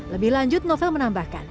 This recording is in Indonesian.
lebih lanjut novel menambahkan